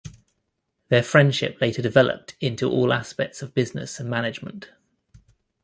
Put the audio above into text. Their friendship later developed into all aspects of business and management.